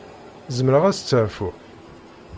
Zemreɣ ad steɛfuɣ?